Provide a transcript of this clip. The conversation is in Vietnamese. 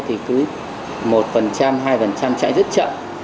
thì cứ một hai chạy rất chậm